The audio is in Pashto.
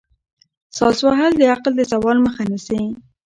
ساز وهل د عقل د زوال مخه نیسي.